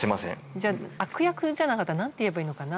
じゃ悪役じゃなかったらなんていえばいいのかな。